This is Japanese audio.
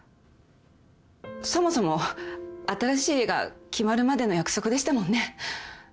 そもそも新しい家が決まるまでの約束でしたもんね。